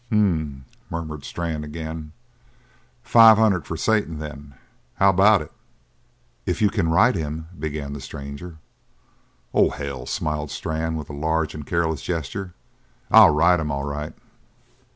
"H m m!" murmured Strann again. "Five hundred for Satan, then. How about it?" "If you can ride him," began the stranger. "Oh, hell," smiled Strann with a large and careless gesture, "I'll ride him, all right."